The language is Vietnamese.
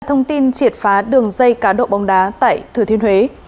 thông tin triệt phá đường dây cá độ bóng đá tại thừa thiên huế